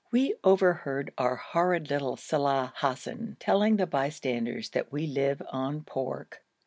We overheard our horrid little Saleh Hassan telling the bystanders that we live on pork.